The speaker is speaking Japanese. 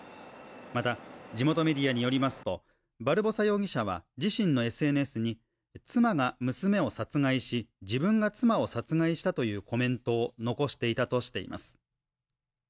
また、地元メディアによりますと、バルボサ容疑者は自身のＳＮＳに、妻が娘を殺害し、自分が妻を殺害したというコメントを残していたとしています。